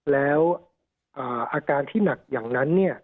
แล้วอาการที่หนักอย่างนั้น